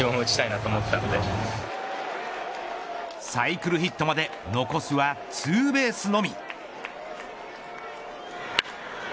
サイクルヒットまで残すはツーベースのみ。